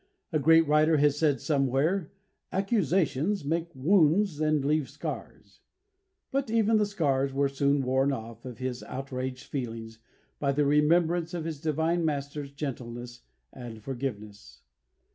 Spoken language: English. A great writer has said somewhere: "Accusations make wounds and leave scars"; but even the scars were soon worn off his outraged feelings by the remembrance of his divine Master's gentleness and forgiveness.